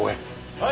はい！